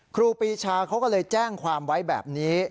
ครูปีชาเขาก็เลยแจ้งความไว้แบบนี้